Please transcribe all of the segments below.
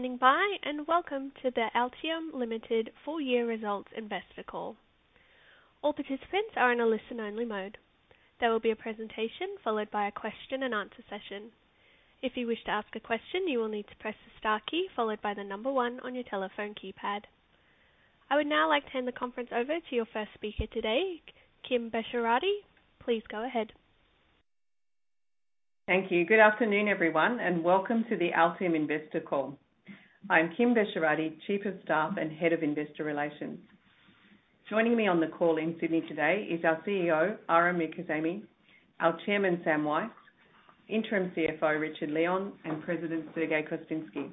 Thank you for standing by, welcome to the Altium Limited full year results investor call. All participants are in a listen-only mode. There will be a presentation, followed by a question and answer session. If you wish to ask a question, you will need to press the star key followed by the number one on your telephone keypad. I would now like to hand the conference over to your first speaker today, Kim Besharati. Please go ahead. Thank you. Good afternoon, everyone, and welcome to the Altium Investor Call. I'm Kim Besharati, Chief of Staff and Head of Investor Relations. Joining me on the call in Sydney today is our CEO, Aram Mirkazemi, our Chairman, Sam Weiss, Interim CFO, Richard Leon, and President Sergey Kostinsky.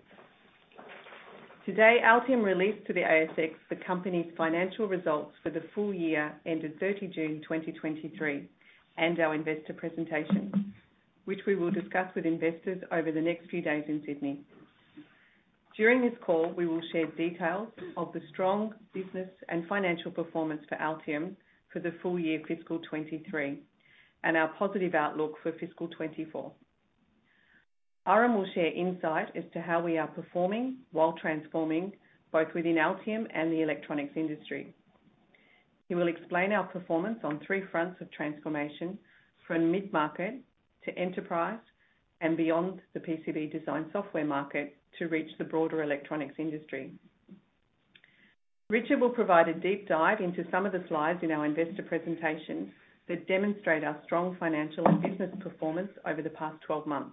Today, Altium released to the ASX the company's financial results for the full year ended 30 June 2023, and our investor presentation, which we will discuss with investors over the next few days in Sydney. During this call, we will share details of the strong business and financial performance for Altium for the full year fiscal 2023, and our positive outlook for fiscal 2024. Aram will share insight as to how we are performing while transforming both within Altium and the electronics industry. He will explain our performance on three fronts of transformation from mid-market to Enterprise and beyond the PCB design software market to reach the broader electronics industry. Richard will provide a deep dive into some of the slides in our investor presentation that demonstrate our strong financial and business performance over the past 12 months.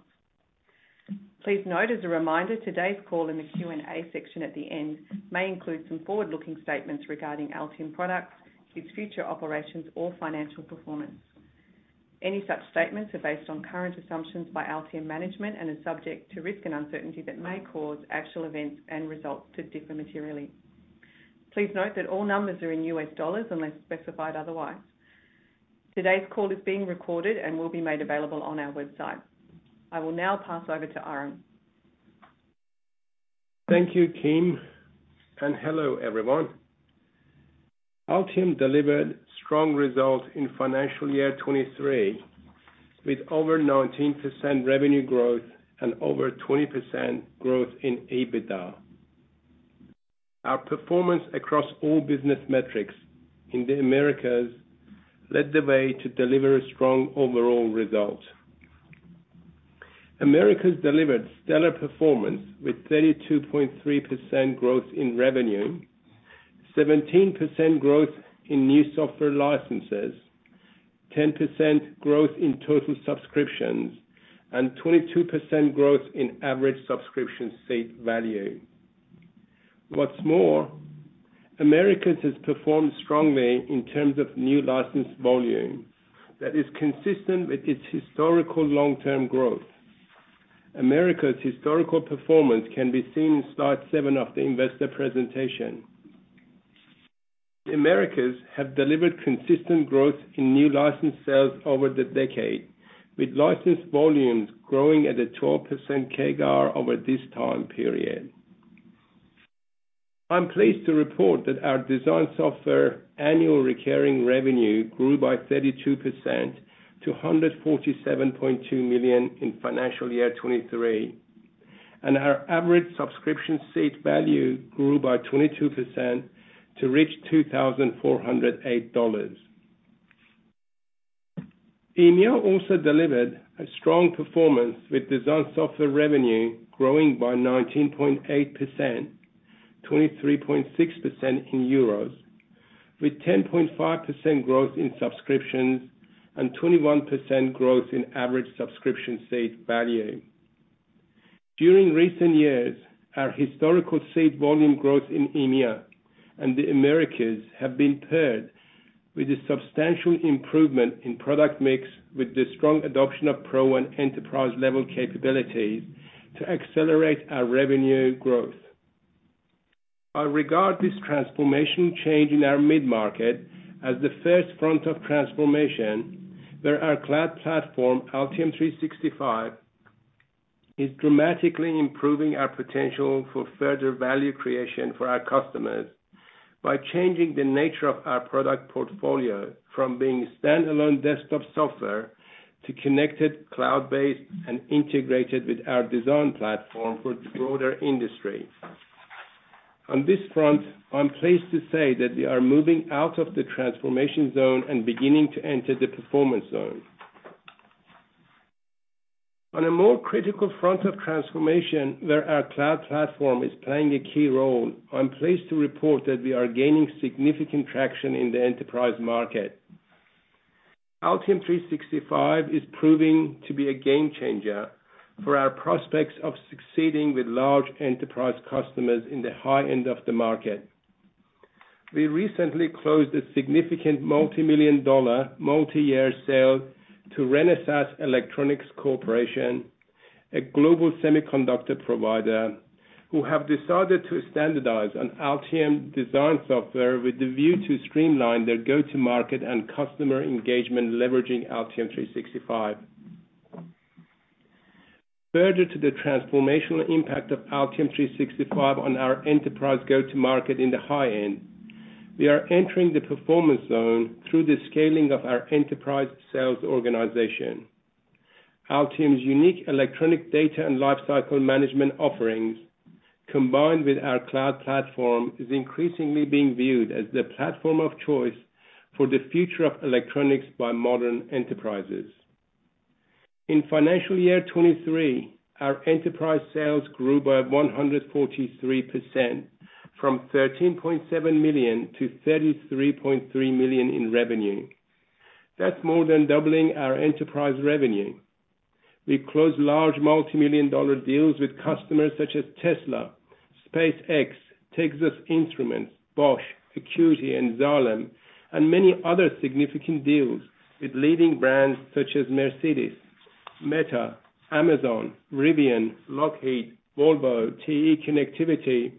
Please note, as a reminder, today's call and the Q&A section at the end may include some forward-looking statements regarding Altium products, its future operations or financial performance. Any such statements are based on current assumptions by Altium management and are subject to risk and uncertainty that may cause actual events and results to differ materially. Please note that all numbers are in US dollars unless specified otherwise. Today's call is being recorded and will be made available on our website. I will now pass over to Aram. Thank you, Kim, and hello, everyone. Altium delivered strong results in FY23, with over 19% revenue growth and over 20% growth in EBITDA. Our performance across all business metrics in the Americas led the way to deliver a strong overall result. Americas delivered stellar performance with 32.3% growth in revenue, 17% growth in new software licenses, 10% growth in total subscriptions, and 22% growth in Average Subscription Seat Value. What's more, Americas has performed strongly in terms of new license volume that is consistent with its historical long-term growth. Americas' historical performance can be seen in Slide 7 of the investor presentation. The Americas have delivered consistent growth in new license sales over the decade, with license volumes growing at a 12% CAGR over this time period. I'm pleased to report that our design software annual recurring revenue grew by 32% to $147.2 million in FY23, and our Average Subscription Seat Value grew by 22% to reach $2,408. EMEA also delivered a strong performance, with design software revenue growing by 19.8%, 23.6% in EUR, with 10.5% growth in subscriptions and 21% growth in Average Subscription Seat Value. During recent years, our historical seat volume growth in EMEA and the Americas have been paired with a substantial improvement in product mix, with the strong adoption of Pro and Enterprise-level capabilities to accelerate our revenue growth. I regard this transformation change in our mid-market as the first front of transformation, where our cloud platform, Altium 365, is dramatically improving our potential for further value creation for our customers by changing the nature of our product portfolio from being standalone desktop software to connected, cloud-based, and integrated with our design platform for the broader industry. On this front, I'm pleased to say that we are moving out of the transformation zone and beginning to enter the performance zone. On a more critical front of transformation, where our cloud platform is playing a key role, I'm pleased to report that we are gaining significant traction in the Enterprise market. Altium 365 is proving to be a game changer for our prospects of succeeding with large Enterprise customers in the high end of the market. We recently closed a significant multi-million dollar, multi-year sale to Renesas Electronics Corporation, a global semiconductor provider, who have decided to standardize on Altium design software with the view to streamline their go-to-market and customer engagement, leveraging Altium 365. Further to the transformational impact of Altium 365 on our Enterprise go-to-market in the high end. We are entering the performance zone through the scaling of our Enterprise sales organization. Altium's unique electronic data and lifecycle management offerings, combined with our cloud platform, is increasingly being viewed as the platform of choice for the future of electronics by modern Enterprises. In financial year 2023, our Enterprise sales grew by 143%, from $13.7 million to $33.3 million in revenue. That's more than doubling our Enterprise revenue. We closed large multimillion-dollar deals with customers such as Tesla, SpaceX, Texas Instruments, Bosch, Acuity, and Xylem, and many other significant deals with leading brands such as Mercedes-Benz, Meta, Amazon, Rivian, Lockheed, Volvo, TE Connectivity,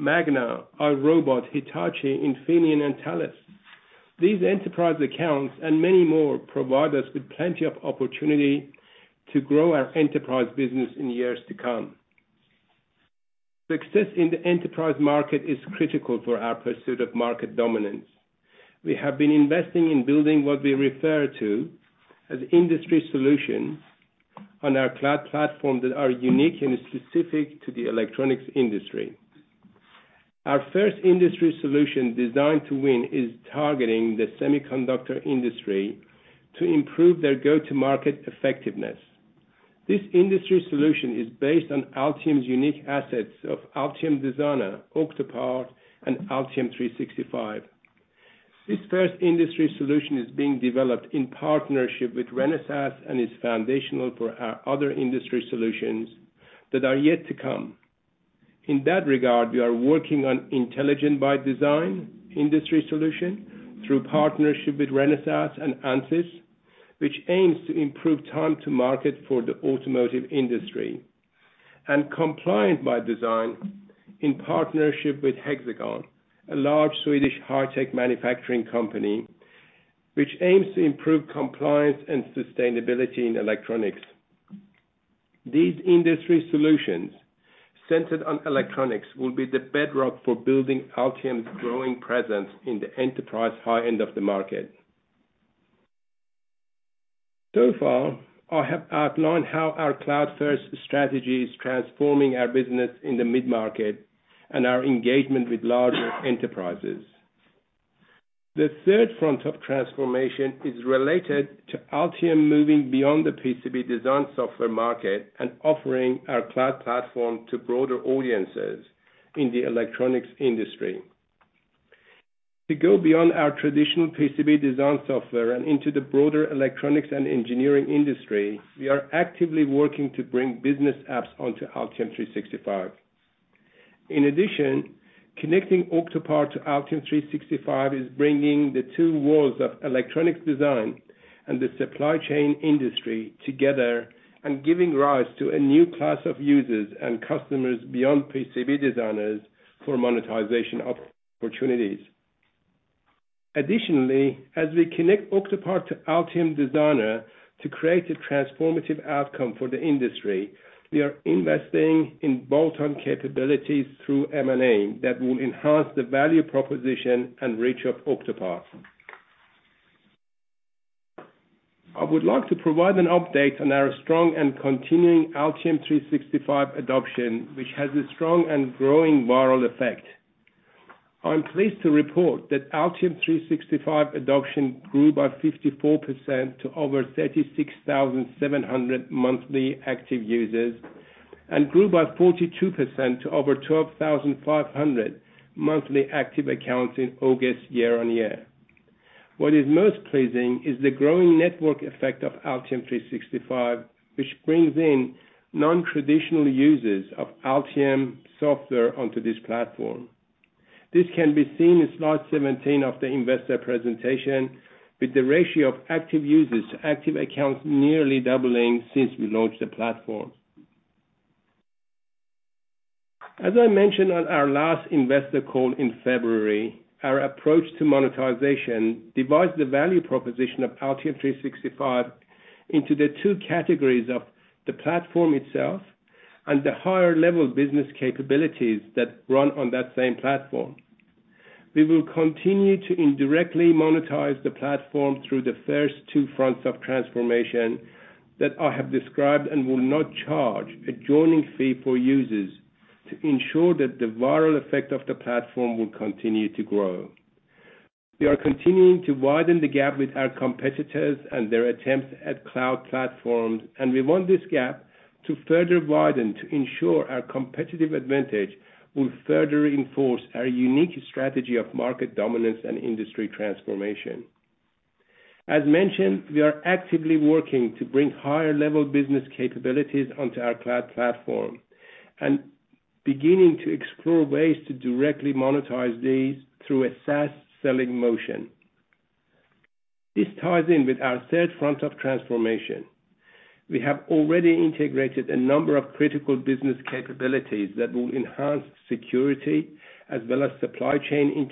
Magna, iRobot, Hitachi, Infineon, and Thales. These Enterprise accounts, and many more, provide us with plenty of opportunity to grow our Enterprise business in years to come. Success in the Enterprise market is critical for our pursuit of market dominance. We have been investing in building what we refer to as industry solutions on our cloud platform that are unique and specific to the electronics industry. Our first industry solution, Designed to Win, is targeting the semiconductor industry to improve their go-to-market effectiveness. This industry solution is based on Altium's unique assets of Altium Designer, Octopart, and Altium 365. This first industry solution is being developed in partnership with Renesas and is foundational for our other industry solutions that are yet to come. In that regard, we are working on Intelligent by Design industry solution through partnership with Renesas and Ansys, which aims to improve time to market for the automotive industry, and Compliant by Design, in partnership with Hexagon, a large Swedish high-tech manufacturing company, which aims to improve compliance and sustainability in electronics. These industry solutions, centered on electronics, will be the bedrock for building Altium's growing presence in the Enterprise high end of the market. So far, I have outlined how our cloud-first strategy is transforming our business in the mid-market and our engagement with larger Enterprises. The third front of transformation is related to Altium moving beyond the PCB design software market and offering our cloud platform to broader audiences in the electronics industry. To go beyond our traditional PCB design software and into the broader electronics and engineering industry, we are actively working to bring business apps onto Altium 365. In addition, connecting Octopart to Altium 365 is bringing the two worlds of electronics design and the supply chain industry together, and giving rise to a new class of users and customers beyond PCB designers for monetization opportunities. Additionally, as we connect Octopart to Altium Designer to create a transformative outcome for the industry, we are investing in bolt-on capabilities through M&A that will enhance the value proposition and reach of Octopart. I would like to provide an update on our strong and continuing Altium 365 adoption, which has a strong and growing viral effect. I'm pleased to report that Altium 365 adoption grew by 54% to over 36,700 monthly active users, and grew by 42% to over 12,500 monthly active accounts in August, year-on-year. What is most pleasing is the growing network effect of Altium 365, which brings in nontraditional users of Altium software onto this platform. This can be seen in Slide 17 of the investor presentation, with the ratio of active users to active accounts nearly doubling since we launched the platform. As I mentioned on our last investor call in February, our approach to monetization divides the value proposition of Altium 365 into the two categories of the platform itself and the higher-level business capabilities that run on that same platform. We will continue to indirectly monetize the platform through the first two fronts of transformation that I have described, and will not charge a joining fee for users to ensure that the viral effect of the platform will continue to grow. We are continuing to widen the gap with our competitors and their attempts at cloud platforms, and we want this gap to further widen to ensure our competitive advantage will further reinforce our unique strategy of market dominance and industry transformation. As mentioned, we are actively working to bring higher-level business capabilities onto our cloud platform, and beginning to explore ways to directly monetize these through a SaaS selling motion. This ties in with our third front of transformation. We have already integrated a number of critical business capabilities that will enhance security, as well as supply chain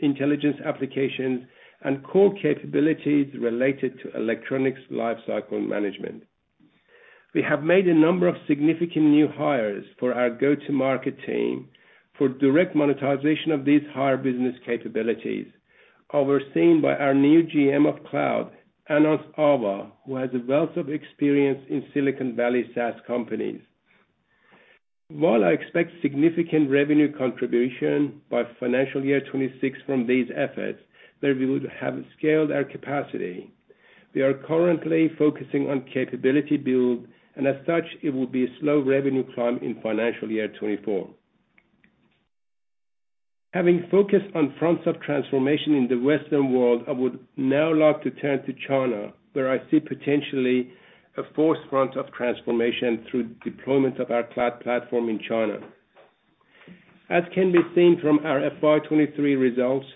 intelligence applications and core capabilities related to electronics lifecycle management.... We have made a number of significant new hires for our go-to-market team for direct monetization of these higher business capabilities, overseen by our new GM of Cloud, Ananth Avva, who has a wealth of experience in Silicon Valley SaaS companies. While I expect significant revenue contribution by FY26 from these efforts, where we would have scaled our capacity, we are currently focusing on capability build, and as such, it will be a slow revenue climb in FY24. Having focused on fronts of transformation in the Western world, I would now like to turn to China, where I see potentially a fourth front of transformation through deployment of our cloud platform in China. As can be seen from our FY23 results,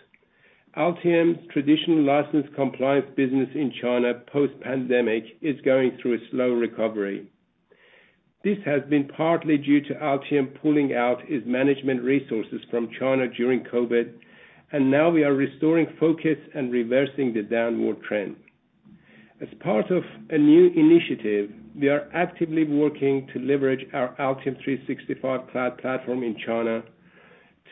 Altium's traditional licensed compliance business in China, post-pandemic, is going through a slow recovery. This has been partly due to Altium pulling out its management resources from China during COVID. Now we are restoring focus and reversing the downward trend. As part of a new initiative, we are actively working to leverage our Altium 365 cloud platform in China,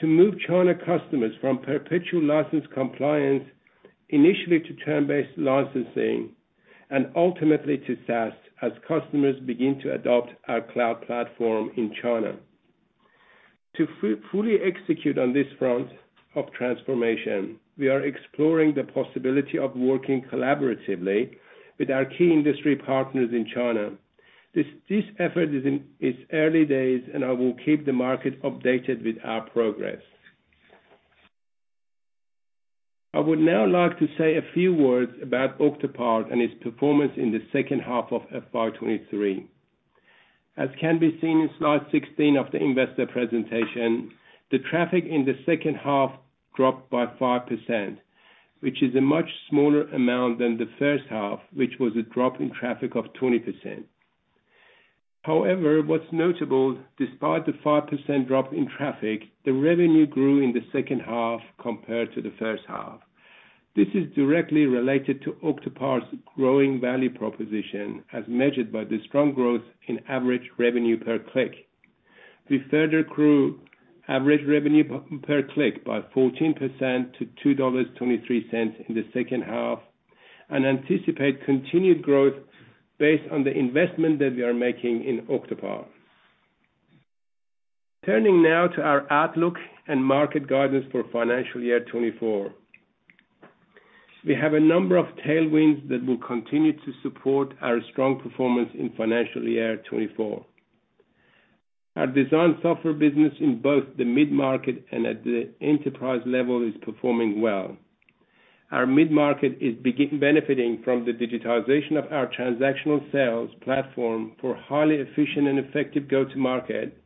to move China customers from perpetual license compliance, initially to term-based licensing, and ultimately to SaaS, as customers begin to adopt our cloud platform in China. To fully execute on this front of transformation, we are exploring the possibility of working collaboratively with our key industry partners in China. This effort is in its early days, I will keep the market updated with our progress. I would now like to say a few words about Octopart and its performance in the second half of FY23. As can be seen in Slide 16 of the investor presentation, the traffic in the second half dropped by 5%, which is a much smaller amount than the first half, which was a drop in traffic of 20%. What's notable, despite the 5% drop in traffic, the revenue grew in the second half compared to the first half. This is directly related to Octopart's growing value proposition, as measured by the strong growth in average revenue per click. We further grew average revenue per click by 14% to 2.23 dollars in the second half, and anticipate continued growth based on the investment that we are making in Octopart. Turning now to our outlook and market guidance for FY24. We have a number of tailwinds that will continue to support our strong performance in FY24. Our design software business in both the mid-market and at the Enterprise level, is performing well. Our mid-market is benefiting from the digitization of our transactional sales platform for highly efficient and effective go-to-market,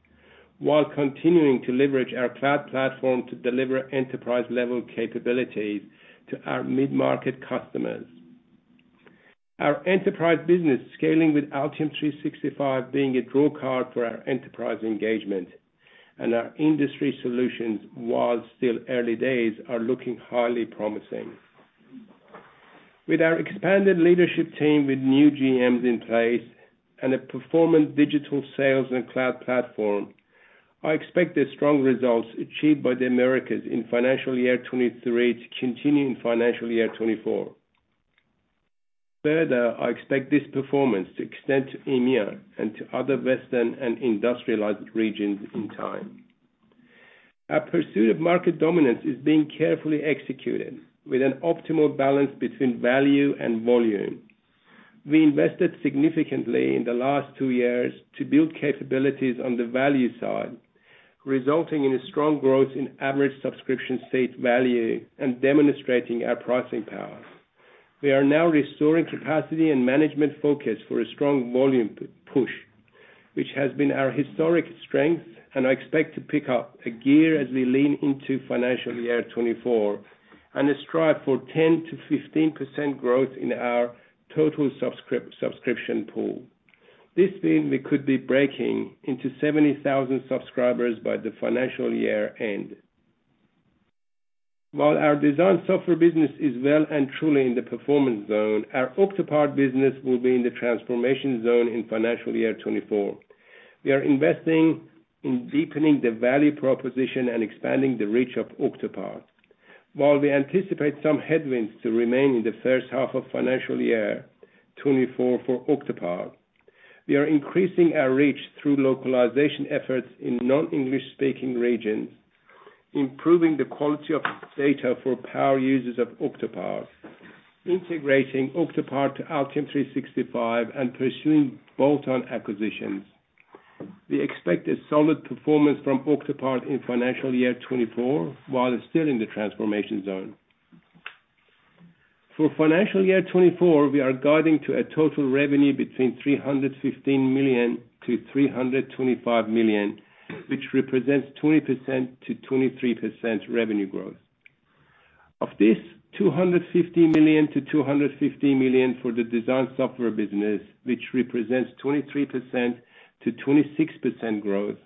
while continuing to leverage our cloud platform to deliver Enterprise-level capabilities to our mid-market customers. Our Enterprise business, scaling with Altium 365, being a draw card for our Enterprise engagement, and our industry solutions, while still early days, are looking highly promising. With our expanded leadership team, with new GMs in place and a performant digital sales and cloud platform, I expect the strong results achieved by the Americas in FY23 to continue in FY24. Further, I expect this performance to extend to EMEA and to other Western and industrialized regions in time. Our pursuit of market dominance is being carefully executed with an optimal balance between value and volume. We invested significantly in the last two years to build capabilities on the value side, resulting in a strong growth in Average Subscription Seat Value and demonstrating our pricing power. We are now restoring capacity and management focus for a strong volume push, which has been our historic strength. I expect to pick up a gear as we lean into financial year 2024 and strive for 10% to 15% growth in our total subscription pool. This means we could be breaking into 70,000 subscribers by the financial year end. While our design software business is well and truly in the performance zone, our Octopart business will be in the transformation zone in financial year 2024. We are investing in deepening the value proposition and expanding the reach of Octopart. While we anticipate some headwinds to remain in the first half of FY24 for Octopart, we are increasing our reach through localization efforts in non-English speaking regions, improving the quality of data for power users of Octopart, integrating Octopart to Altium 365, and pursuing bolt-on acquisitions. We expect a solid performance from Octopart in FY24, while it's still in the transformation zone. For FY24, we are guiding to a total revenue between $315 million-$325 million, which represents 20%-23% revenue growth. Of this, $250 million-$250 million for the design software business, which represents 23%-26% growth.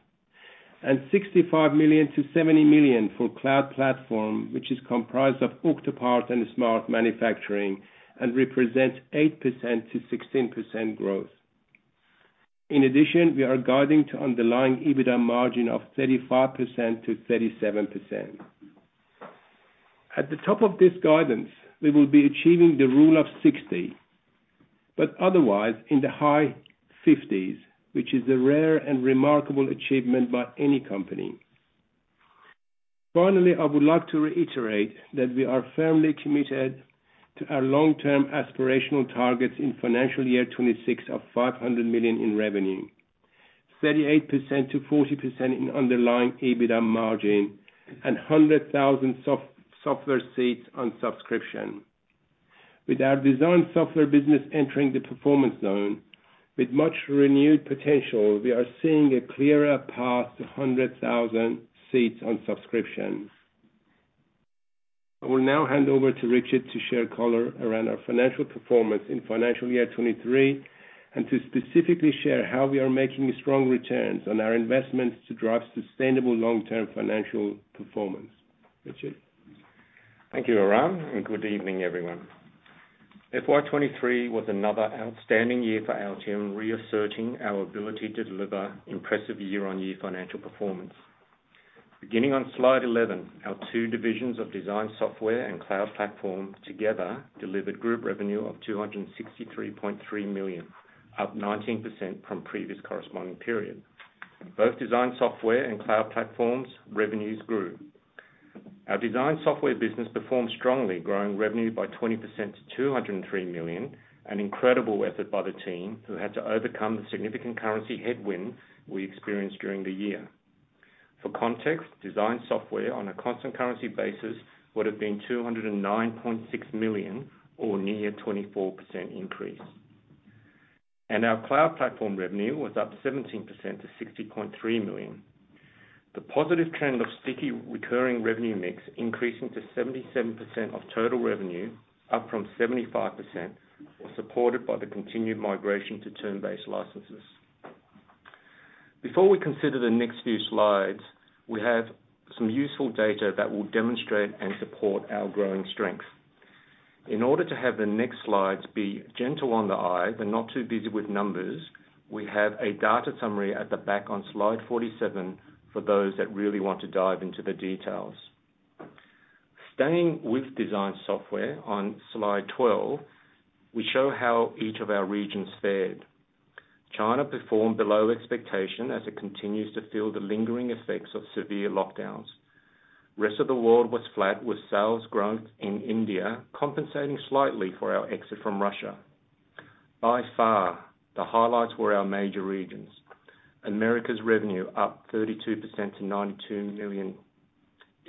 And $65 million-$70 million for cloud platform, which is comprised of Octopart and Smart Manufacturing, and represents 8%-16% growth. In addition, we are guiding to underlying EBITDA margin of 35%-37%. At the top of this guidance, we will be achieving the Rule of 60, but otherwise in the high 50s, which is a rare and remarkable achievement by any company. Finally, I would like to reiterate that we are firmly committed to our long-term aspirational targets in financial year 2026 of $500 million in revenue, 38%-40% in underlying EBITDA margin, and 100,000 software seats on subscription. With our design software business entering the performance zone with much renewed potential, we are seeing a clearer path to 100,000 seats on subscriptions. I will now hand over to Richard to share color around our financial performance in financial year 2023, and to specifically share how we are making strong returns on our investments to drive sustainable long-term financial performance. Richard? Thank you, Aram, and good evening, everyone. FY23 was another outstanding year for Altium, reasserting our ability to deliver impressive year-on-year financial performance. Beginning on Slide 11, our two divisions of design software and cloud platform together delivered group revenue of $263.3 million, up 19% from previous corresponding period. Both design software and cloud platform revenues grew. Our design software business performed strongly, growing revenue by 20% to $203 million, an incredible effort by the team, who had to overcome the significant currency headwind we experienced during the year. For context, design software, on a constant currency basis, would have been $209.6 million, or near 24% increase. Our cloud platform revenue was up 17% to $60.3 million. The positive trend of sticky recurring revenue mix increasing to 77% of total revenue, up from 75%, was supported by the continued migration to term-based licenses. Before we consider the next few slides, we have some useful data that will demonstrate and support our growing strength. In order to have the next slides be gentle on the eye, but not too busy with numbers, we have a data summary at the back on Slide 47 for those that really want to dive into the details. Staying with design software, on Slide 12, we show how each of our regions fared. China performed below expectation as it continues to feel the lingering effects of severe lockdowns. Rest of the world was flat, with sales growth in India compensating slightly for our exit from Russia. By far, the highlights were our major regions. Americas revenue up 32% to $92 million.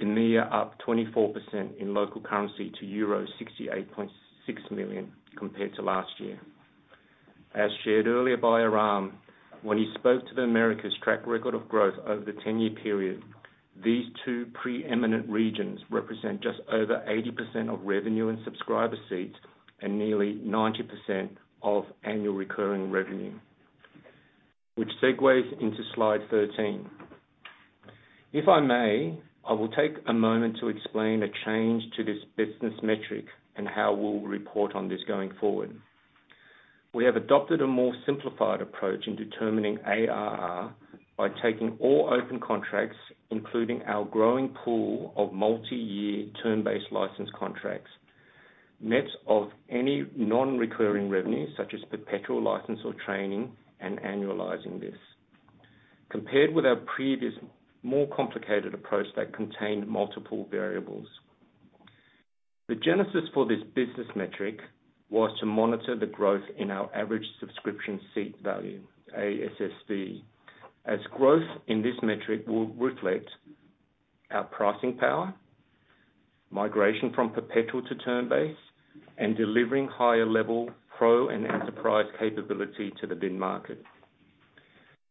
EMEA up 24% in local currency to euro 68.6 million compared to last year. As shared earlier by Aram, when he spoke to the Americas track record of growth over the 10-year period, these two preeminent regions represent just over 80% of revenue and subscriber seats, and nearly 90% of annual recurring revenue, which segues into Slide 13. If I may, I will take a moment to explain a change to this business metric and how we'll report on this going forward. We have adopted a more simplified approach in determining ARR by taking all open contracts, including our growing pool of multi-year term-based license contracts, net of any non-recurring revenues, such as perpetual license or training, and annualizing this. Compared with our previous more complicated approach that contained multiple variables. The genesis for this business metric was to monitor the growth in our Average Subscription Seat Value, ASSV. Growth in this metric will reflect our pricing power, migration from perpetual to term-based, and delivering higher level pro and Enterprise capability to the mid-market.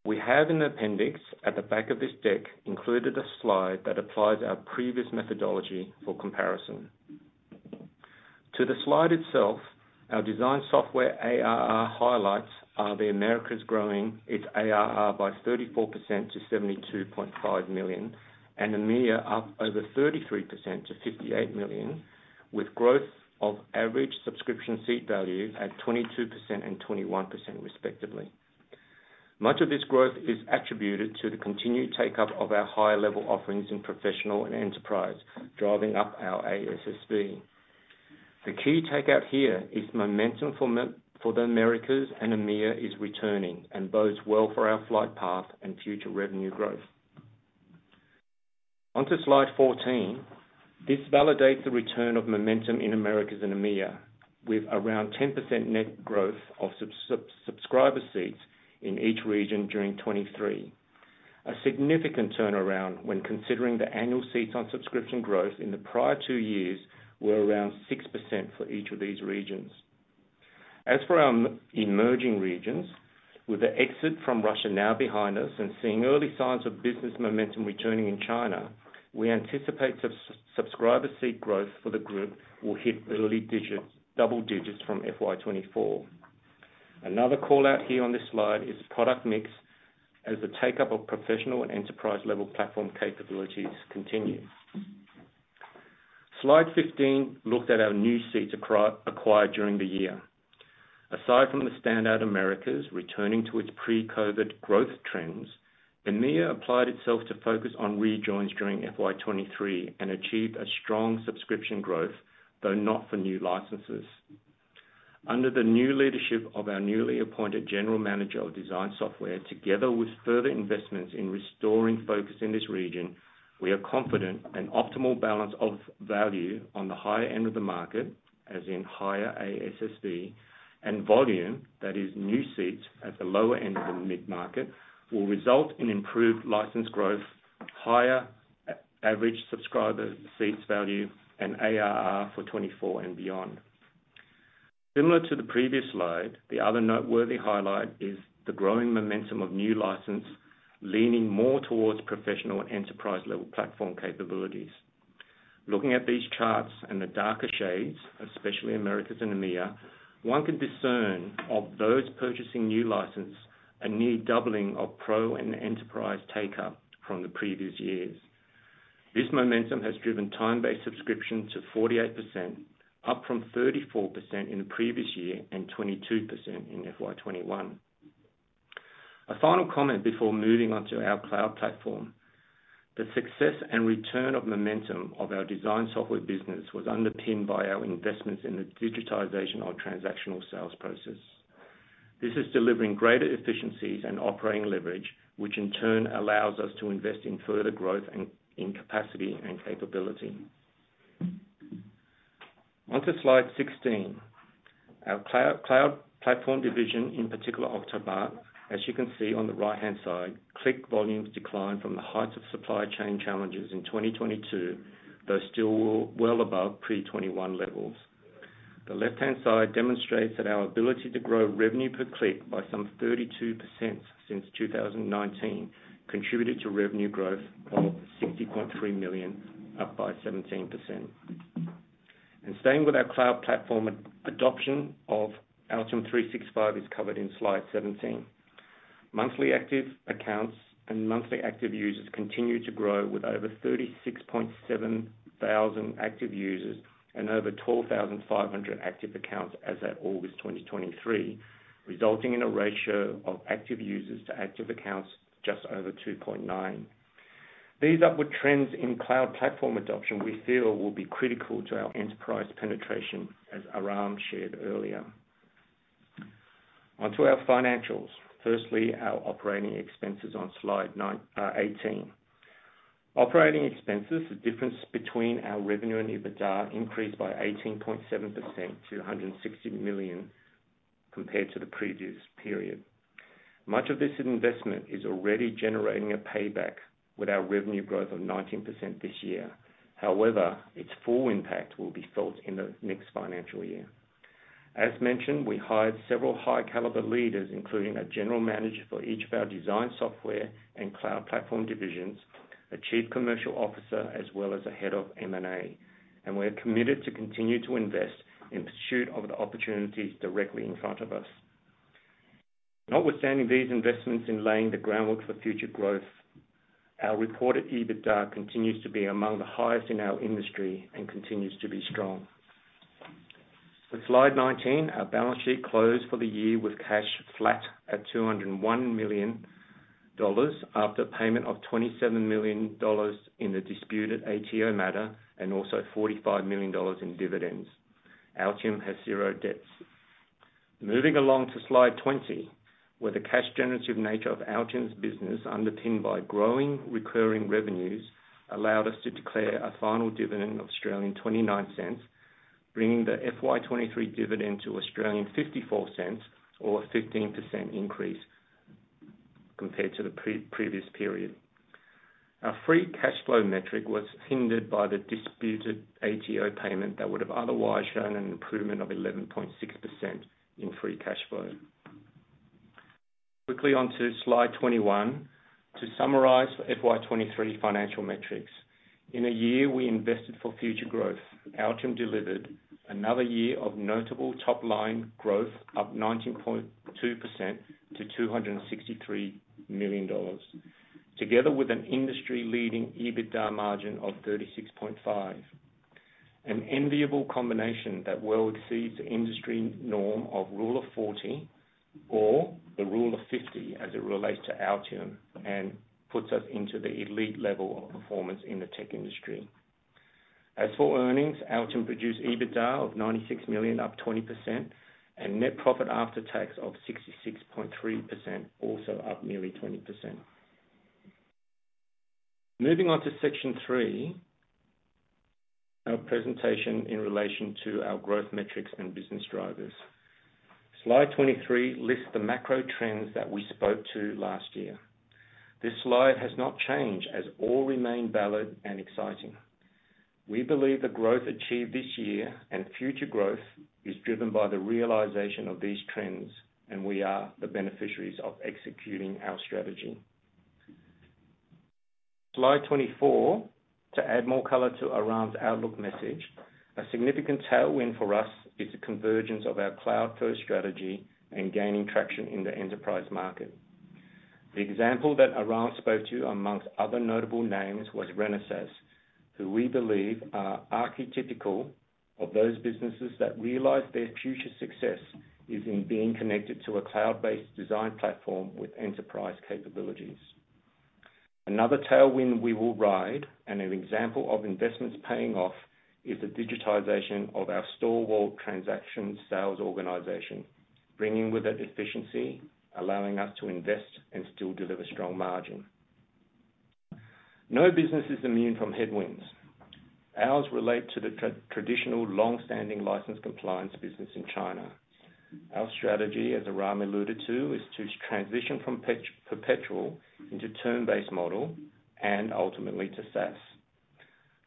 We have an appendix at the back of this deck, included a slide that applies our previous methodology for comparison. To the slide itself, our design software, ARR highlights, are the Americas growing its ARR by 34% to $72.5 million, and EMEA up over 33% to $58 million, with growth of Average Subscription Seat Value at 22% and 21%, respectively. Much of this growth is attributed to the continued take-up of our higher level offerings in Professional and Enterprise, driving up our ASSV. The key takeout here is momentum for the Americas and EMEA is returning and bodes well for our flight path and future revenue growth. Onto Slide 14. This validates the return of momentum in Americas and EMEA, with around 10% net growth of subscriber seats in each region during 2023. A significant turnaround when considering the annual seats on subscription growth in the prior two years, were around 6% for each of these regions. As for our emerging regions, with the exit from Russia now behind us and seeing early signs of business momentum returning in China, we anticipate subscriber seat growth for the group will hit the early digits, double digits from FY24. Another call-out here on this slide is product mix, as the take-up of Professional and Enterprise-level platform capabilities continue. Slide 15 looks at our new seats acquired during the year. Aside from the standout Americas, returning to its pre-COVID growth trends, EMEA applied itself to focus on rejoins during FY23 and achieved a strong subscription growth, though not for new licenses. Under the new leadership of our newly appointed general manager of design software, together with further investments in restoring focus in this region, we are confident an optimal balance of value on the higher end of the market, as in higher ASSV, and volume, that is new seats at the lower end of the mid-market, will result in improved license growth, higher average subscriber seats value, and ARR for 24 and beyond. Similar to the previous slide, the other noteworthy highlight is the growing momentum of new license, leaning more towards Professional and Enterprise-level platform capabilities. Looking at these charts and the darker shades, especially Americas and EMEA, one can discern, of those purchasing new license, a near doubling of pro and Enterprise take-up from the previous years. This momentum has driven time-based subscription to 48%, up from 34% in the previous year, and 22% in FY21. A final comment before moving on to our cloud platform. The success and return of momentum of our design software business was underpinned by our investments in the digitization of transactional sales process. This is delivering greater efficiencies and operating leverage, which in turn allows us to invest in further growth and in capacity and capability. On to slide 16. Our cloud platform division, in particular Octopart, as you can see on the right-hand side, click volumes declined from the heights of supply chain challenges in 2022, though still well above pre-2021 levels. The left-hand side demonstrates that our ability to grow revenue per click by some 32% since 2019, contributed to revenue growth of $60.3 million, up by 17%. Staying with our cloud platform, adoption of Altium 365 is covered in Slide 17. Monthly active accounts and monthly active users continue to grow, with over 36,700 active users and over 12,500 active accounts as at August 2023, resulting in a ratio of active users to active accounts just over 2.9. These upward trends in cloud platform adoption, we feel, will be critical to our Enterprise penetration, as Aram shared earlier. On to our financials. Firstly, our operating expenses on Slide 18. Operating expenses, the difference between our revenue and EBITDA, increased by 18.7% to 160 million compared to the previous period. Much of this investment is already generating a payback with our revenue growth of 19% this year. However, its full impact will be felt in the next financial year. As mentioned, we hired several high caliber leaders, including a General Manager for each of our design software, and cloud platform divisions, a Chief Commercial Officer, as well as a head of M&A. We're committed to continue to invest in pursuit of the opportunities directly in front of us. Notwithstanding these investments in laying the groundwork for future growth, our reported EBITDA continues to be among the highest in our industry and continues to be strong. Slide 19, our balance sheet closed for the year with cash flat at 201 million dollars, after payment of 27 million dollars in the disputed ATO matter and also 45 million dollars in dividends. Altium has zero debts. Moving along to Slide 20, where the cash generative nature of Altium's business, underpinned by growing recurring revenues, allowed us to declare a final dividend of 0.29, bringing the FY23 dividend to 0.54 or a 15% increase compared to the previous period. Our free cash flow metric was hindered by the disputed ATO payment that would have otherwise shown an improvement of 11.6% in free cash flow. Quickly onto Slide 21. To summarize FY23 financial metrics, in a year we invested for future growth, Altium delivered another year of notable top-line growth, up 19.2% to $263 million, together with an industry-leading EBITDA margin of 36.5%. An enviable combination that well exceeds the industry norm of Rule of 40, or the Rule of 50 as it relates to Altium, and puts us into the elite level of performance in the tech industry. As for earnings, Altium produced EBITDA of $96 million, up 20%, and net profit after tax of $66.3 million, also up nearly 20%. Moving on to Section 3, our presentation in relation to our growth metrics and business drivers. Slide 23 lists the macro trends that we spoke to last year. This slide has not changed, as all remain valid and exciting. We believe the growth achieved this year and future growth is driven by the realization of these trends, and we are the beneficiaries of executing our strategy. Slide 24, to add more color to Aram's outlook message, a significant tailwind for us is the convergence of our cloud-first strategy and gaining traction in the Enterprise market. The example that Aram spoke to, amongst other notable names, was Renesas, who we believe are archetypical of those businesses that realize their future success is in being connected to a cloud-based design platform with Enterprise capabilities. Another tailwind we will ride, and an example of investments paying off, is the digitization of our software transaction sales organization, bringing with it efficiency, allowing us to invest and still deliver strong margin. No business is immune from headwinds. Ours relate to the traditional long-standing license compliance business in China. Our strategy, as Aram alluded to, is to transition from perpetual into term-based model and ultimately to SaaS.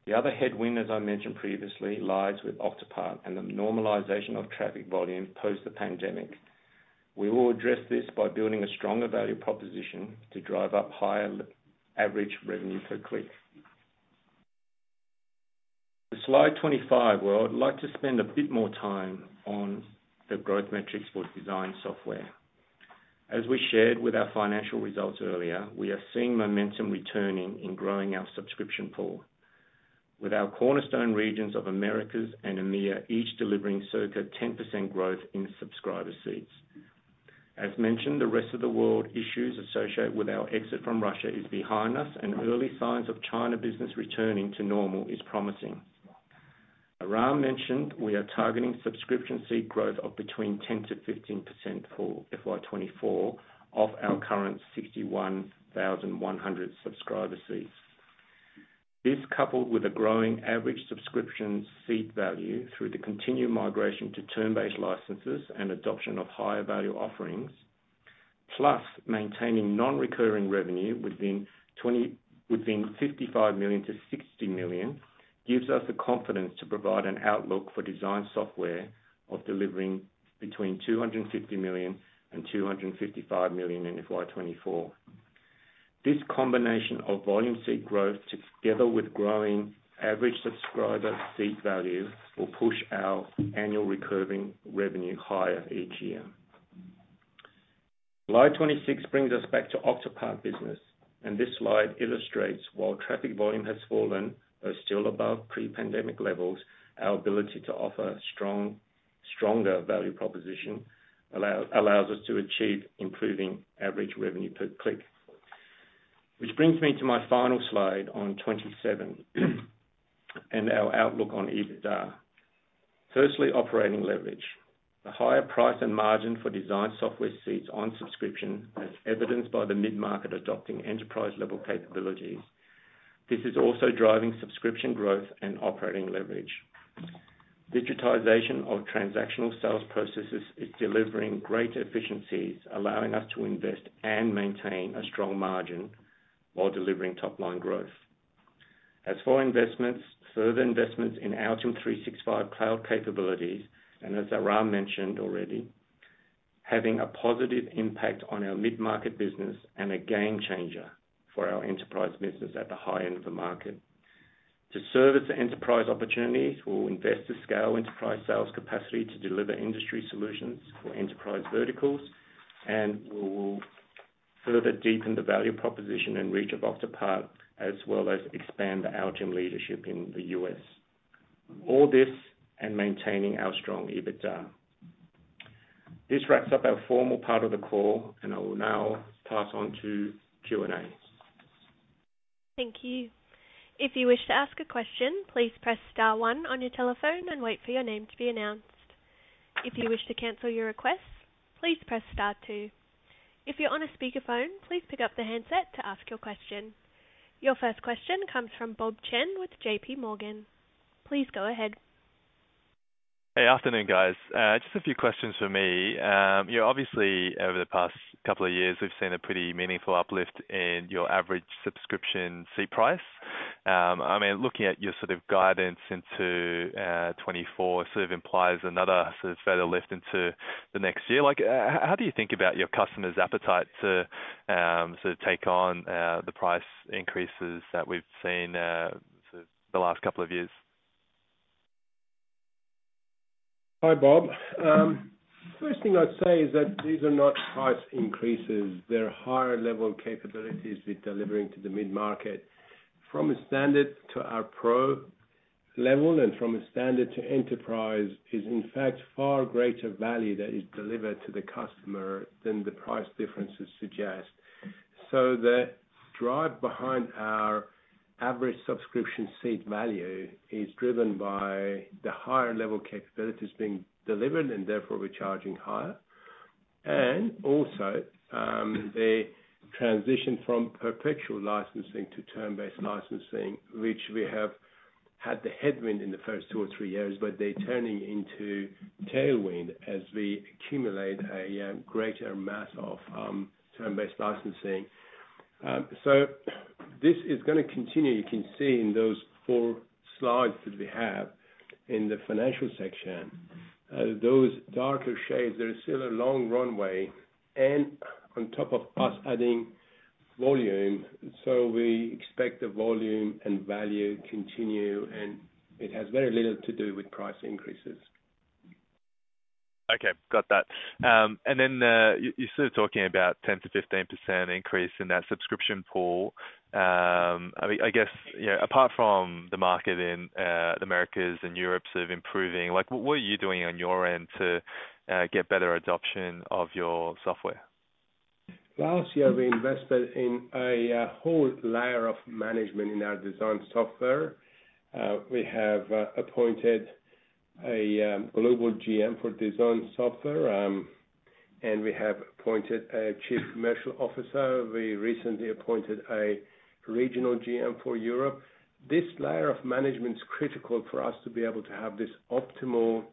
The other headwind, as I mentioned previously, lies with Octopart and the normalization of traffic volume post the pandemic. We will address this by building a stronger value proposition to drive up higher average revenue per click. To Slide 25, where I would like to spend a bit more time on the growth metrics for design software. As we shared with our financial results earlier, we are seeing momentum returning in growing our subscription pool. With our cornerstone regions of Americas and EMEA, each delivering circa 10% growth in subscriber seats. As mentioned, the rest of the world issues associated with our exit from Russia is behind us, and early signs of China business returning to normal is promising. Aram mentioned we are targeting subscription seat growth of between 10%-15% for FY24, of our current 61,100 subscriber seats. This, coupled with a growing Average Subscription Seat Value through the continued migration to term-based licenses and adoption of higher value offerings, plus maintaining non-recurring revenue within $55 million-$60 million, gives us the confidence to provide an outlook for design software of delivering between $250 million and $255 million in FY24. This combination of volume seat growth, together with growing average subscriber seat value, will push our annual recurring revenue higher each year. Slide 26 brings us back to Octopart business. This slide illustrates while traffic volume has fallen, but still above pre-pandemic levels, our ability to offer stronger value proposition allows us to achieve improving average revenue per click. Which brings me to my final Slide 27, and our outlook on EBITDA. Firstly, operating leverage. The higher price and margin for design software seats on subscription, as evidenced by the mid-market adopting Enterprise-level capabilities. This is also driving subscription growth and operating leverage. Digitization of transactional sales processes is delivering great efficiencies, allowing us to invest and maintain a strong margin while delivering top-line growth. As for investments, further investments in Altium 365 cloud capabilities, and as Aram mentioned already, having a positive impact on our mid-market business and a game changer for our Enterprise business at the high end of the market. To service the Enterprise opportunities, we'll invest to scale Enterprise sales capacity to deliver industry solutions for Enterprise verticals, and we will further deepen the value proposition and reach of Octopart, as well as expand the Altium leadership in the US. All this and maintaining our strong EBITDA. This wraps up our formal part of the call, and I will now pass on to Q&A. Thank you. If you wish to ask a question, please press star one on your telephone and wait for your name to be announced. If you wish to cancel your request, please press star two. If you're on a speakerphone, please pick up the handset to ask your question. Your first question comes from Bob Chen with JPMorgan. Please go ahead. Hey, afternoon, guys. Just a few questions from me. You know, obviously, over the past 2 years, we've seen a pretty meaningful uplift in your average subscription seat price. I mean, looking at your sort of guidance into 2024 sort of implies another sort of further lift into the next year. Like, how do you think about your customers' appetite to sort of take on the price increases that we've seen for the last 2 years? Hi, Bob. First thing I'd say is that these are not price increases, they're higher level capabilities we're delivering to the mid-market. From a Standard to our pro level and from a Standard to Enterprise, is in fact far greater value that is delivered to the customer than the price differences suggest. The drive behind our Average Subscription Seat Value is driven by the higher level capabilities being delivered, and therefore we're charging higher. Also, the transition from perpetual licensing to term-based licensing, which we have had the headwind in the first two or three years, but they're turning into tailwind as we accumulate a greater mass of term-based licensing. This is going to continue. You can see in those four slides that we have in the financial section those darker shades, there is still a long runway, and on top of us adding volume. We expect the volume and value continue, and it has very little to do with price increases. Okay, got that. Then, you're still talking about 10%-15% increase in that subscription pool. I mean, I guess, you know, apart from the market in the Americas and Europe sort of improving, like what, what are you doing on your end to get better adoption of your software? Last year, we invested in a whole layer of management in our design software. We have appointed a global GM for design software. We have appointed a Chief Commercial Officer. We recently appointed a Regional GM for Europe. This layer of management's critical for us to be able to have this optimal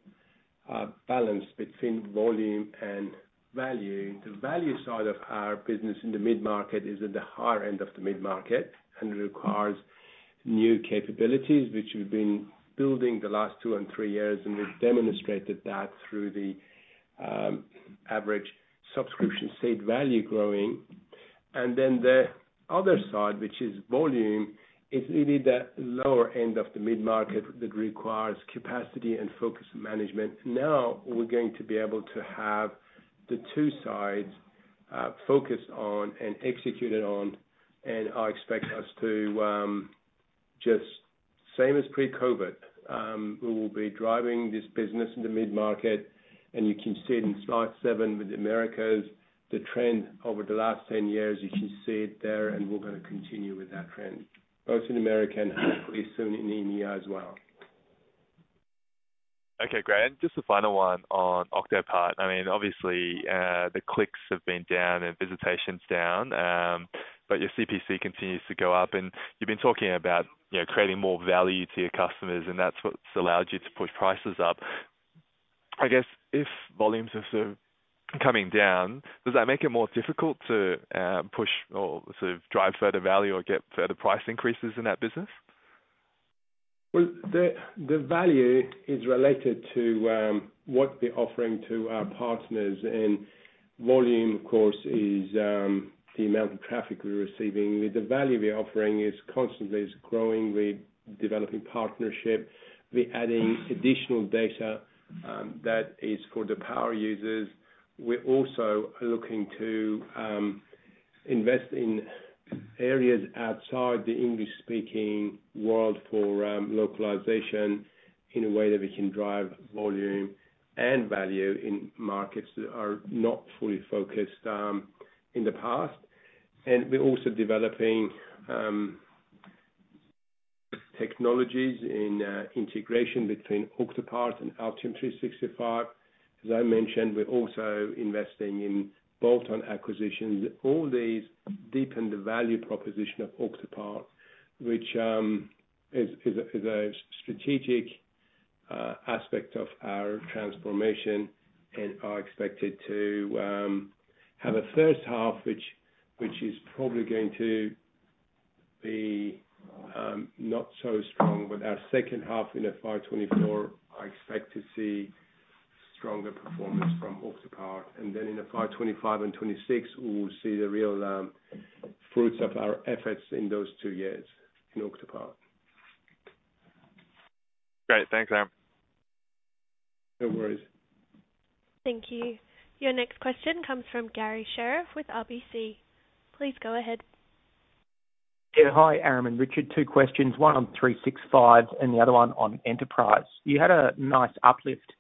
balance between volume and value. The value side of our business in the mid-market is at the higher end of the mid-market, and requires new capabilities, which we've been building the last two and three years, and we've demonstrated that through the Average Subscription Seat Value growing. Then the other side, which is volume, is really the lower end of the mid-market that requires capacity and focus management. Now, we're going to be able to have the two sides focused on and executed on, and I expect us to just same as pre-COVID, we will be driving this business in the mid-market, and you can see it in Slide 7 with Americas. The trend over the last 10 years, you can see it there, and we're gonna continue with that trend, both in America and hopefully soon in EMEA as well. Okay, great. Just a final one on Octopart. I mean, obviously, the clicks have been down and visitation's down, but your CPC continues to go up, and you've been talking about, you know, creating more value to your customers, and that's what's allowed you to push prices up. I guess, if volumes are sort of coming down, does that make it more difficult to push or sort of drive further value or get further price increases in that business? Well, the, the value is related to, what we're offering to our partners, and volume, of course, is, the amount of traffic we're receiving. With the value we are offering is constantly is growing. We're developing partnership. We're adding additional data, that is for the power users. We're also looking to invest in areas outside the English-speaking world for localization in a way that we can drive volume and value in markets that are not fully focused in the past. And we're also developing technologies in integration between Octopart and Altium 365. As I mentioned, we're also investing in bolt-on acquisitions. All these deepen the value proposition of Octopart, which is, is a, is a strategic aspect of our transformation and are expected to have a first half, which, which is probably going to be not so strong. Our second half in FY24, I expect to see stronger performance from Octopart. In FY25 and 26, we will see the real fruits of our efforts in those two years in Octopart. Great. Thanks, Aram. No worries. Thank you. Your next question comes from Garry Sherriff with RBC. Please go ahead. Yeah. Hi, Aram and Richard. Two questions, one on Altium 365 and the other one on Enterprise. You had a nice uplift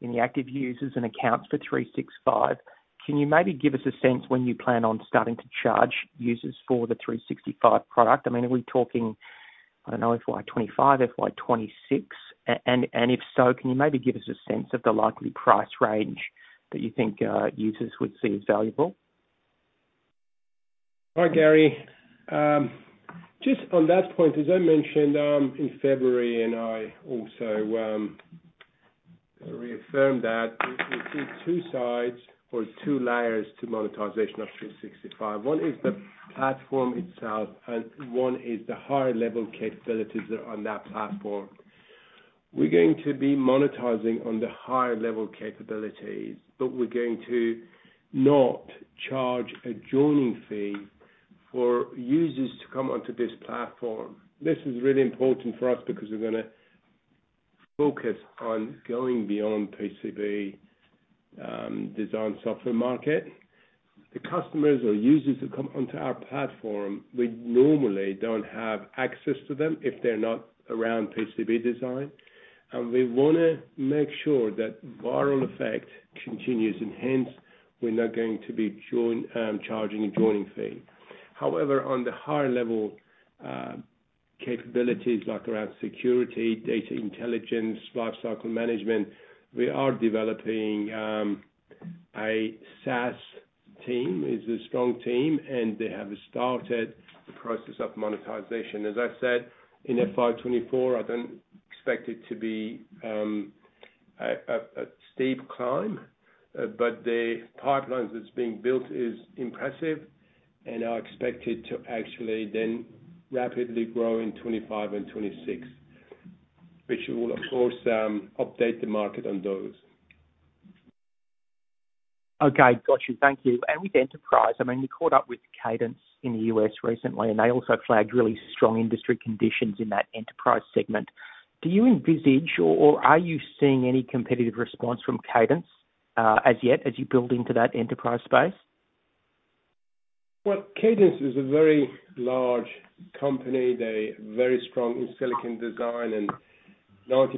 in the active users and accounts for Altium 365. Can you maybe give us a sense when you plan on starting to charge users for the Altium 365 product? I mean, are we talking FY25, FY26? And, if so, can you maybe give us a sense of the likely price range that you think users would see as valuable? Hi, Garry. Just on that point, as I mentioned, in February, and I also reaffirmed that, we see two sides or two layers to monetization of Altium 365. One is the platform itself, and one is the higher level capabilities on that platform. We're going to be monetizing on the higher level capabilities, but we're going to not charge a joining fee for users to come onto this platform. This is really important for us because we're gonna focus on going beyond PCB design software market. The customers or users who come onto our platform, we normally don't have access to them if they're not around PCB design, and we wanna make sure that viral effect continues, and hence, we're not going to be charging a joining fee. However, on the higher level, capabilities, like around security, data intelligence, lifecycle management, we are developing a SaaS team. It's a strong team, and they have started the process of monetization. As I said, in FY24, I don't expect it to be a steep climb, but the pipelines that's being built is impressive. Are expected to actually then rapidly grow in 2025 and 2026, which we will, of course, update the market on those. Okay. Got you. Thank you. With Enterprise, I mean, we caught up with Cadence in the US recently, and they also flagged really strong industry conditions in that Enterprise segment. Do you envisage or, or are you seeing any competitive response from Cadence as yet, as you build into that Enterprise space? Well, Cadence is a very large company. They're very strong in silicon design, and 90%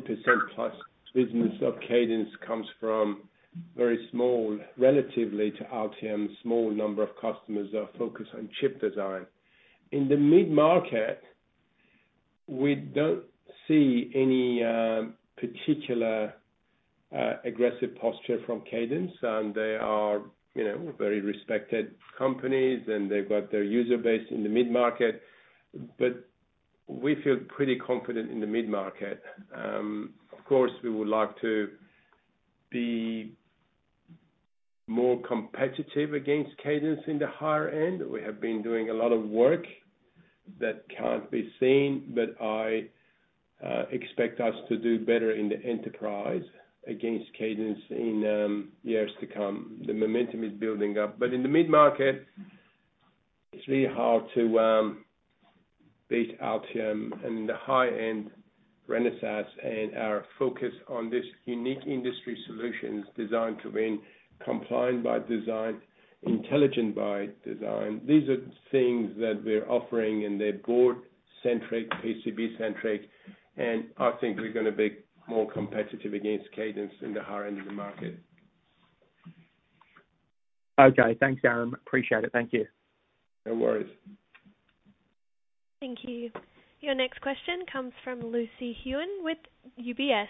plus business of Cadence comes from very small, relatively to Altium, small number of customers that are focused on chip design. In the mid-market, we don't see any particular aggressive posture from Cadence. They are, you know, very respected companies, and they've got their user base in the mid-market. We feel pretty confident in the mid-market. Of course, we would like to be more competitive against Cadence in the higher end. We have been doing a lot of work that can't be seen, but I expect us to do better in the Enterprise against Cadence in years to come. The momentum is building up. In the mid-market, it's really hard to beat Altium and the high-end Renesas and our focus on this unique industry solutions Designed to Win, Compliant by Design, Intelligent by Design. These are things that we're offering, and they're board-centric, PCB-centric, and I think we're gonna be more competitive against Cadence in the higher end of the market. Okay. Thanks, Aram. Appreciate it. Thank you. No worries. Thank you. Your next question comes from Lucy Huang with UBS.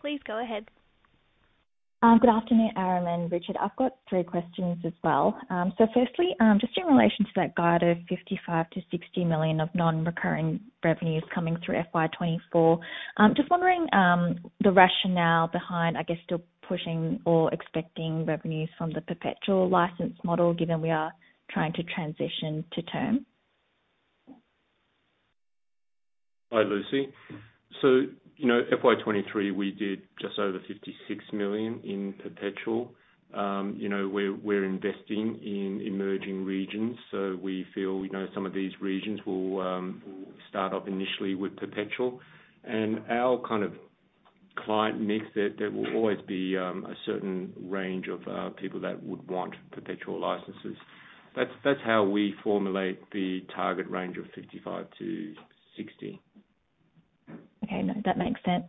Please go ahead. Good afternoon, Aram and Richard. I've got three questions as well. Firstly, just in relation to that guide of $55 million-$60 million of non-recurring revenues coming through FY24, just wondering, the rationale behind, I guess, still pushing or expecting revenues from the perpetual license model, given we are trying to transition to term? Hi, Lucy. You know, FY23, we did just over 56 million in perpetual. You know, we're, we're investing in emerging regions, so we feel, you know, some of these regions will, will start off initially with perpetual. Our kind of client mix, there, there will always be a certain range of people that would want perpetual licenses. That's, that's how we formulate the target range of 55-60. Okay. No, that makes sense.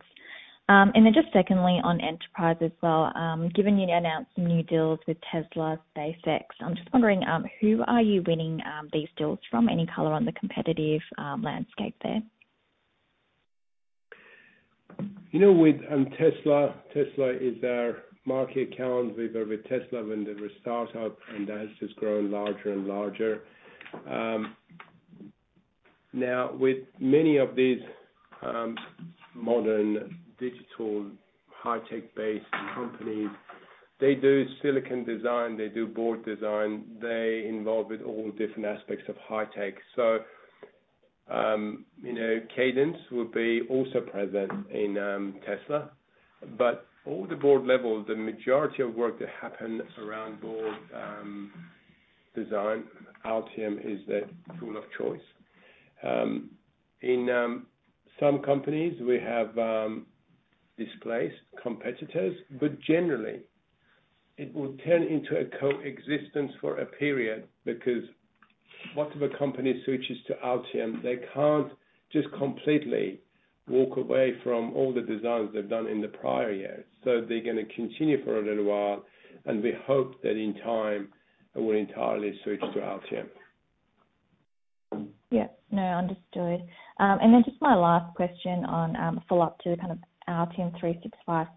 Then just secondly, on Enterprise as well, given you announced some new deals with Tesla SpaceX, I'm just wondering, who are you winning these deals from? Any color on the competitive landscape there? You know, with Tesla, Tesla is our market account. We were with Tesla when they were a start-up, and that has just grown larger and larger. Now, with many of these modern digital high tech-based companies, they do silicon design, they do board design, they're involved with all different aspects of high tech. You know, Cadence would be also present in Tesla. All the board levels, the majority of work that happen around board design, Altium is their tool of choice. In some companies we have displaced competitors, but generally, it will turn into a coexistence for a period, because once the company switches to Altium, they can't just completely walk away from all the designs they've done in the prior years. They're gonna continue for a little while, and we hope that in time, they will entirely switch to Altium. Yeah. No, understood. Then just my last question on, a follow-up to the kind of Altium 365.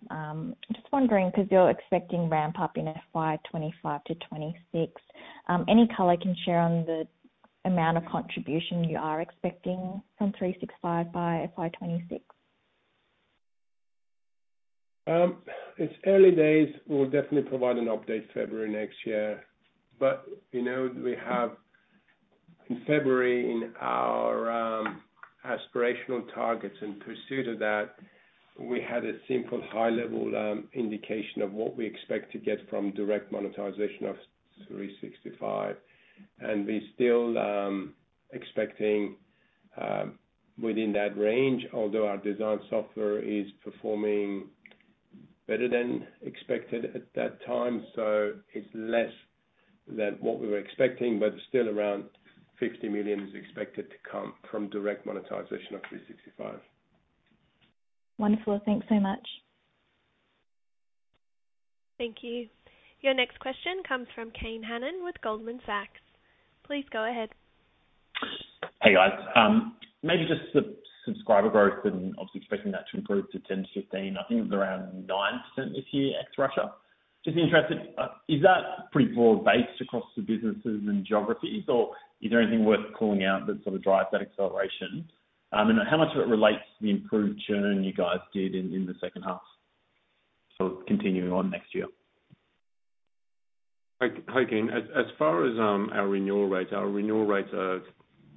Just wondering, because you're expecting ramp-up in FY25 to FY26, any color you can share on the amount of contribution you are expecting from 365 by FY26? It's early days. We'll definitely provide an update February next year. You know, we have in February, in our aspirational targets and pursuit of that, we had a simple high-level indication of what we expect to get from direct monetization of Altium 365. We're still expecting within that range, although our design software is performing better than expected at that time. It's less than what we were expecting, but still around $50 million is expected to come from direct monetization of Altium 365. Wonderful. Thanks so much. Thank you. Your next question comes from Kane Hannan with Goldman Sachs. Please go ahead. Hey, guys. Maybe just the subscriber growth and obviously expecting that to improve to 10-15%. I think it was around 9% this year, ex Russia. Just interested, is that pretty broad-based across the businesses and geographies, or is there anything worth calling out that sort of drives that acceleration? How much of it relates to the improved churn you guys did in the second half? Continuing on next year. Hi, hi, Kane. As, as far as our renewal rates, our renewal rates are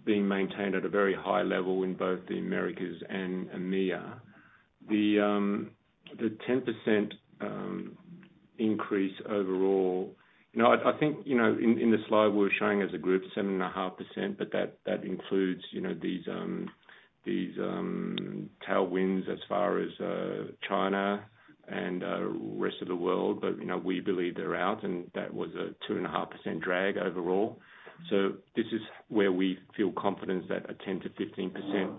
being maintained at a very high level in both the Americas and EMEA. The 10% increase overall, you know, I, I think, you know, in, in the slide we're showing as a group 7.5%, but that, that includes, you know, these, these tailwinds as far as China and rest of the world. But, you know, we believe they're out, and that was a 2.5% drag overall. This is where we feel confident that a 10%-15%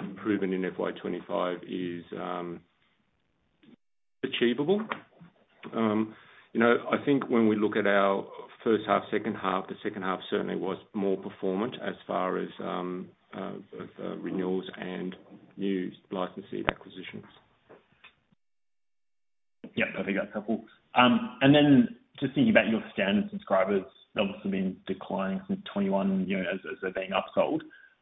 improvement in FY25 is achievable. You know, I think when we look at our first half, second half, the second half certainly was more performant as far as both renewals and new licensee acquisitions. Yep, I think that's helpful. Then just thinking about your Standard subscribers, they've also been declining since 2021, you know, as, as they're being upsold.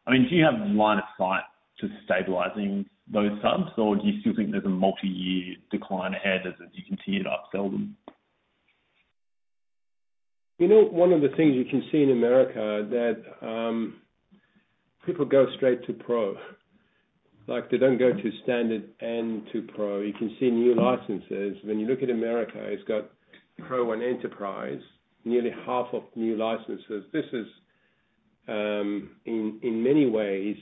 I mean, do you have line of sight to stabilizing those subs, or do you still think there's a multi-year decline ahead as you continue to upsell them? You know, one of the things you can see in America is that people go straight to Pro. Like, they don't go to Standard and to Pro. You can see new licenses. When you look at America, it's got Pro and Enterprise, nearly half of new licenses. This is in, in many ways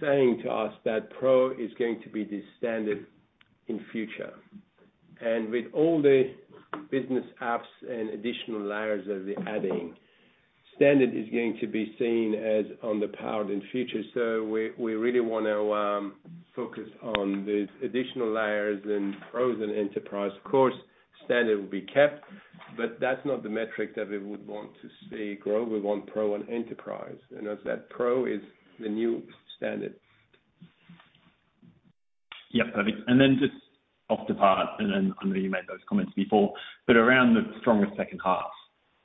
saying to us that Pro is going to be the Standard in future. With all the business apps and additional layers that we're adding, Standard is going to be seen as underpowered in future. We, we really wanna focus on these additional layers in Pro and Enterprise. Of course, Standard will be kept, but that's not the metric that we would want to see grow. We want Pro and Enterprise, and as said, Pro is the new Standard. Yep, perfect. Just off the part, and then I know you made those comments before, but around the stronger second half,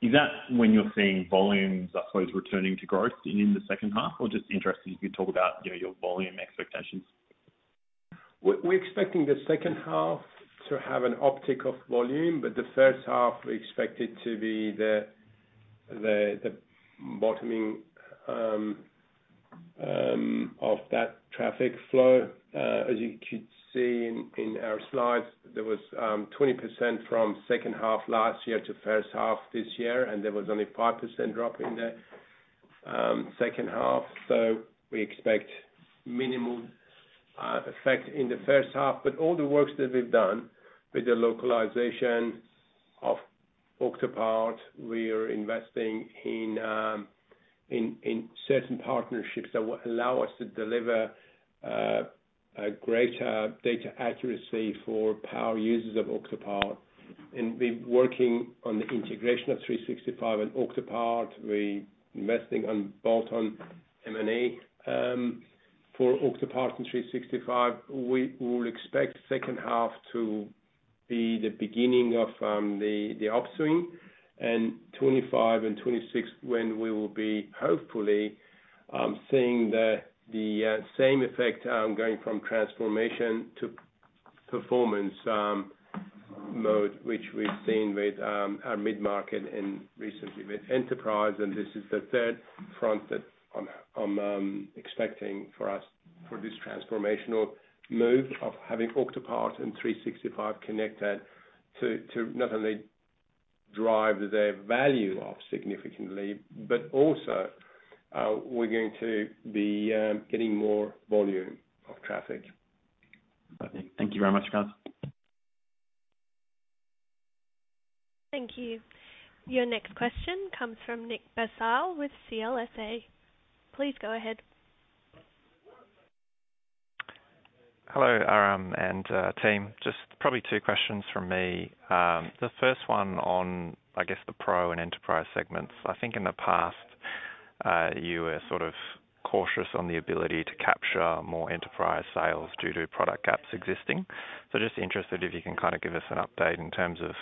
is that when you're seeing volumes, I suppose, returning to growth in the second half? Or just interested, if you could talk about, you know, your volume expectations? We're expecting the second half to have an uptick of volume. The first half, we expect it to be the, the, the bottoming of that traffic flow. As you could see in, in our slides, there was 20% from second half last year to first half this year, and there was only 5% drop in the second half. We expect minimal effect in the first half. All the works that we've done with the localization of Octopart, we are investing in certain partnerships that will allow us to deliver a greater data accuracy for power users of Octopart. We're working on the integration of 365 and Octopart. We're investing on bolt-on M&A for Octopart and 365. We will expect second half to be the beginning of the upswing, and 2025 and 2026, when we will be hopefully seeing the same effect going from transformation to performance mode, which we've seen with our mid-market and recently with Enterprise. This is the third front that I'm, I'm expecting for us for this transformational move of having Octopart and 365 connected to, to not only drive their value up significantly, but also, we're going to be getting more volume of traffic. Thank you very much, guys. Thank you. Your next question comes from Nicholas Basile with CLSA. Please go ahead. Hello, Aram and team. Just probably two questions from me. The first one on, I guess, the Pro and Enterprise segments. I think in the past, you were sort of cautious on the ability to capture more Enterprise sales due to product gaps existing. Just interested if you can kind of give us an update in terms of,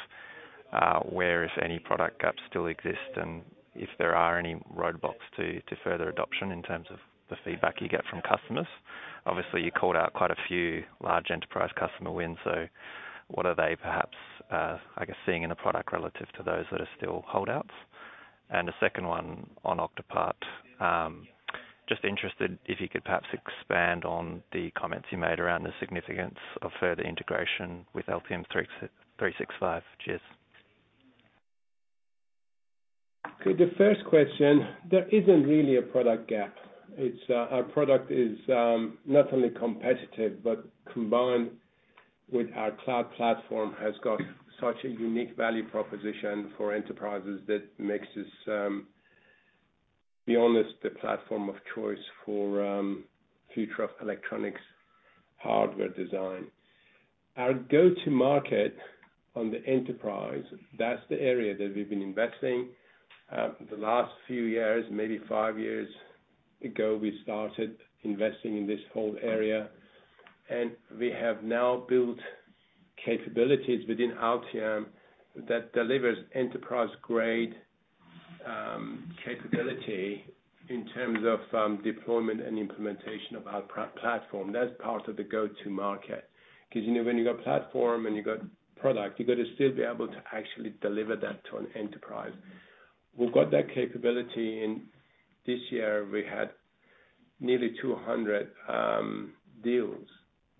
where, if any, product gaps still exist, and if there are any roadblocks to, to further adoption in terms of the feedback you get from customers. Obviously, you called out quite a few large Enterprise customer wins, so what are they perhaps, I guess, seeing in a product relative to those that are still holdouts? The second one on Octopart. Just interested if you could perhaps expand on the comments you made around the significance of further integration with Altium 365. Cheers. Okay, the first question, there isn't really a product gap. It's our product is not only competitive, but combined with our cloud platform, has got such a unique value proposition for Enterprises that makes us, be honest, the platform of choice for future of electronics hardware design. Our go-to-market on the Enterprise, that's the area that we've been investing the last few years. Maybe five years ago, we started investing in this whole area, and we have now built capabilities within Altium that delivers enterprise-grade capability in terms of deployment and implementation of our platform, that's part of the go-to-market. 'Cause, you know, when you've got platform and you've got product, you've got to still be able to actually deliver that to an Enterprise. We've got that capability, this year we had nearly 200 deals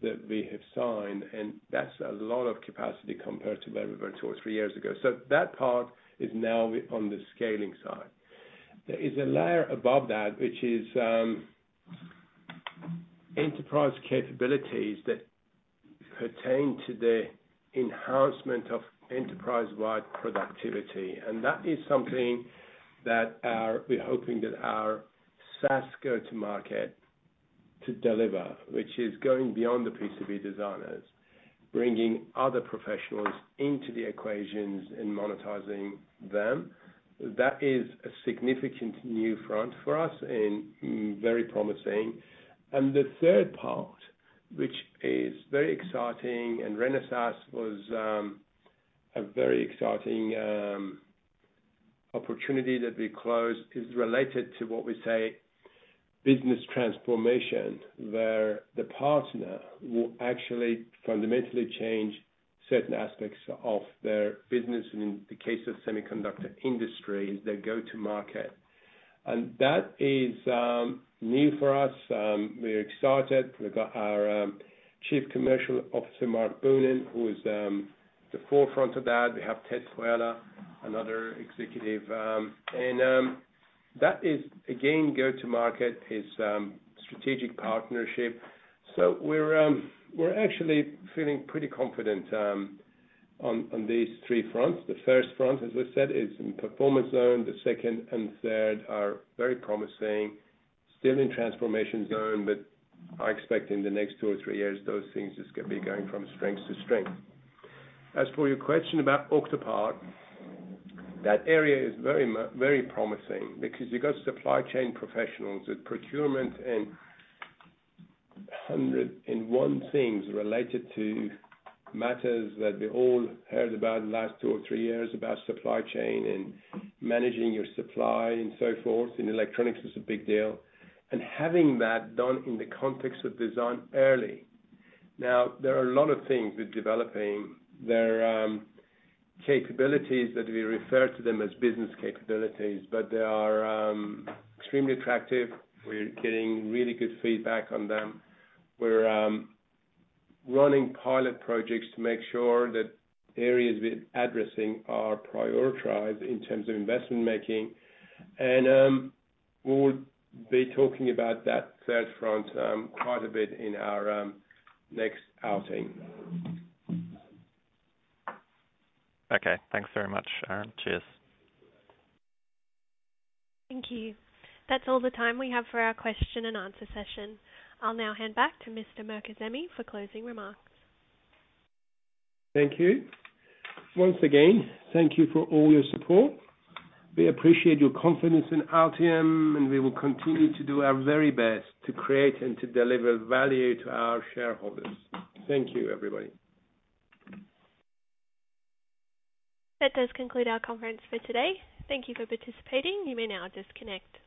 that we have signed, and that's a lot of capacity compared to where we were 2 or 3 years ago. That part is now on the scaling side. There is a layer above that, which is Enterprise capabilities that pertain to the enhancement of enterprise-wide productivity, that is something that we're hoping that our SaaS go-to-market to deliver, which is going beyond the PCB designers, bringing other professionals into the equations and monetizing them. That is a significant new front for us and very promising. The third part, which is very exciting, Renesas was a very exciting opportunity that we closed, is related to what we say, business transformation, where the partner will actually fundamentally change certain aspects of their business, in the case of semiconductor industry, their go-to-market. That is new for us. We're excited. We've got our Chief Commercial Officer, Marc Boonen, who is the forefront of that. We have Ted Pawela, another executive. That is again, go-to-market, is strategic partnership. We're actually feeling pretty confident on these three fronts. The first front, as we said, is in performance zone. The second and third are very promising, still in transformation zone, but I expect in the next two or three years, those things is gonna be going from strength to strength. As for your question about Octopart, that area is very very promising because you've got supply chain professionals with procurement and 101 things related to matters that we all heard about in the last two or three years, about supply chain and managing your supply and so forth, in electronics is a big deal. Having that done in the context of design early. Now, there are a lot of things with developing. There are capabilities that we refer to them as business capabilities, but they are extremely attractive. We're getting really good feedback on them. We're running pilot projects to make sure that areas we're addressing are prioritized in terms of investment making. We will be talking about that third front quite a bit in our next outing. Okay, thanks very much, Aram. Cheers. Thank you. That's all the time we have for our question and answer session. I'll now hand back to Mr. Mirkazemi for closing remarks. Thank you. Once again, thank you for all your support. We appreciate your confidence in Altium, and we will continue to do our very best to create and to deliver value to our shareholders. Thank you, everybody. That does conclude our conference for today. Thank you for participating. You may now disconnect.